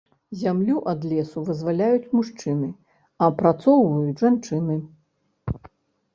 Зямлю ад лесу вызваляюць мужчыны, а апрацоўваюць жанчыны.